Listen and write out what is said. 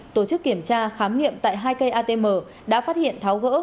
tổ chức kiểm tra khám nghiệm tại hai cây atm đã phát hiện tháo gỡ